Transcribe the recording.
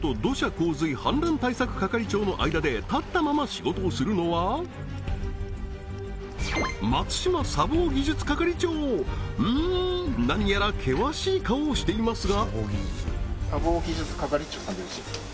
・洪水氾濫対策係長の間で立ったまま仕事をするのは松島砂防技術係長うん何やら険しい顔をしていますが？